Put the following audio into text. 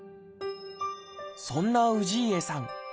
そんな氏家さん